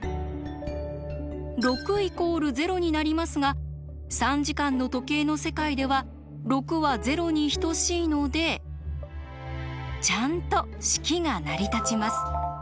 ６＝０になりますが３時間の時計の世界では６は０に等しいのでちゃんと式が成り立ちます。